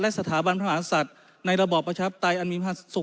และสถาบันพระมหาสัตว์ในระบอบประชาธิปไตยอันมีพระหาสัตว์